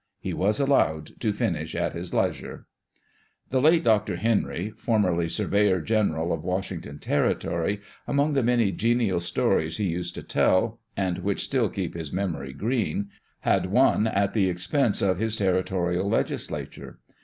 He was allowed to finish at his leisure. The late Dr. Henry, formerly surveyor gene ral of Washington territory, among the many genial stories he used to tell, and which still keep his memory green, had one at the expense of his territorial legislature.